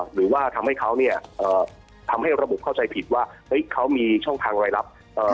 หรือว่าทำให้ระบบเข้าใจผิดว่าเขามีช่องทางรายลับ